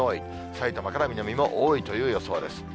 さいたまから南も多いという予想です。